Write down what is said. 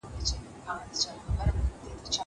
زه پرون لوبه وکړه.